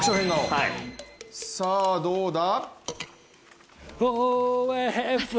さあどうだ？